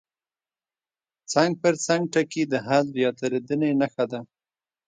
څنګ پر څنګ ټکي د حذف یا تېرېدنې نښه ده.